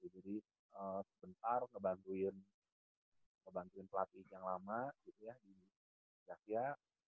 jadi sebentar kebangkuin pelatih yang lama gitu ya di asia